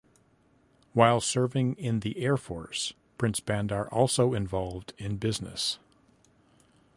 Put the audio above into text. While serving in the air force Prince Bandar also involved in business.